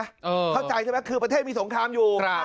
เข้าใจใช่ไหมคือประเทศมีสงครามอยู่